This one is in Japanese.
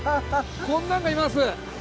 こんなんがいます